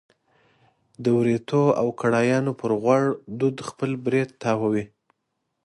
د وریتو او کړایانو پر غوړ دود خپل برېت تاووي.